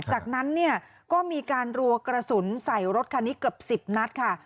จากนั้นเนี่ยก็มีการรัวกระสุนใส่รถคันนี้เกือบ๑๐นัดค่ะ